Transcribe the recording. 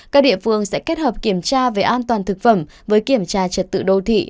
các địa phương sẽ kết hợp kiểm tra về an toàn thực phẩm với kiểm tra trật tự đô thị